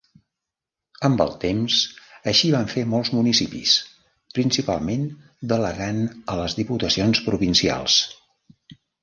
Amb el temps, així van fer molts municipis, principalment delegant a les Diputacions Provincials.